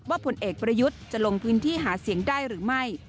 ผลเอกประยุทธ์จะลงพื้นที่หาเสียงได้หรือไม่